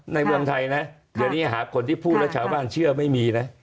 ในเมืองไทยนะเดี๋ยวนี้หาคนที่พูดแล้วชาวบ้านเชื่อไม่มีนะ